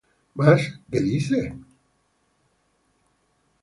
Mas ¿qué dice?